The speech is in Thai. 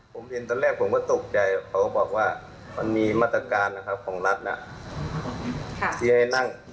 ผมเห็นตอนแรกผมก็ตกใจเขาก็บอกว่ามันมีมาตรการนะครับของรัฐแล้วที่ให้นั่ง